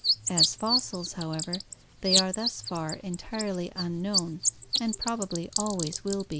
As fossils, however, they are thus far entirely unknown and prob ably always will be.